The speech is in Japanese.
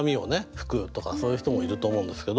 拭くとかそういう人もいると思うんですけど。